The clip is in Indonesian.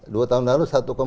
dua tahun lalu satu dua